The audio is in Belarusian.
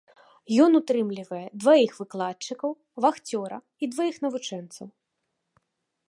Ён утрымлівае дваіх выкладчыкаў, вахцёра і дваіх навучэнцаў.